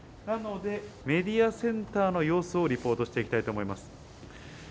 なので、メディアセンターの様子をリポートしていきたいと思います。